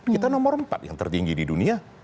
kita nomor empat yang tertinggi di dunia